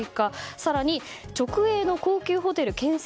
更に直営の高級ホテル建設